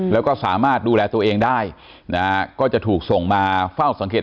แล้วก็สามารถดูแลตัวเองได้นะฮะก็จะถูกส่งมาเฝ้าสังเกต